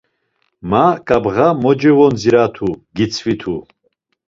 Ma ǩabğa cevondziratu gitzvitu.